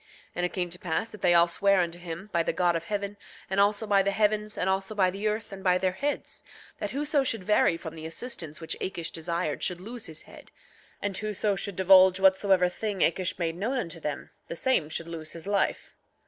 8:14 And it came to pass that they all sware unto him, by the God of heaven, and also by the heavens, and also by the earth, and by their heads, that whoso should vary from the assistance which Akish desired should lose his head; and whoso should divulge whatsoever thing Akish made known unto them, the same should lose his life.